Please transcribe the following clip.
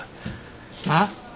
あっ？